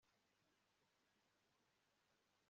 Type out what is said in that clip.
arahagarara aratekereza, akazinga umunya agashima mu mutwe